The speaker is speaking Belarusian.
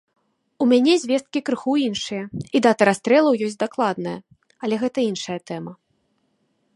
У мяне звесткі крыху іншыя, і дата расстрэлаў ёсць дакладная, але гэта іншая тэма.